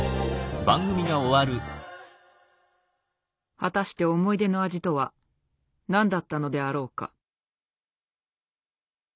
果たして思い出の味とは何だったのであろうか。